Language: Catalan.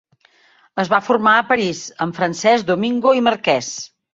Es va formar a París amb Francesc Domingo i Marquès.